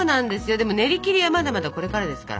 でもねりきりはまだまだこれからですから。